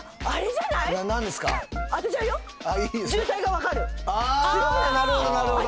なるほどなるほど。